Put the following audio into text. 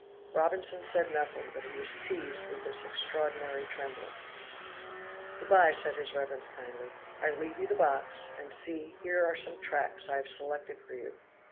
Robinson said nothing, but he was seized with this extraordinary trembling. "Good by," said his reverence kindly. "I leave you the box; and see, here are some tracts I have selected for you.